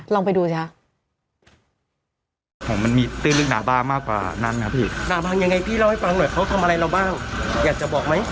แล้วเนี่ยเป็นยังไงคะลองไปดูเฉยคะ